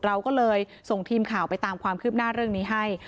เราก็เลยส่งทีมข่าวไปตามความคืบหน้าเรื่องนี้ให้